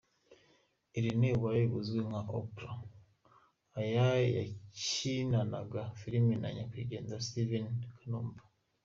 Irene Uwoya uzwi nka Oprah aya yakinanaga filime na Nyakwigendera Steven Kanumba.